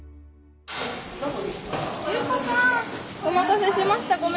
お待たせしました。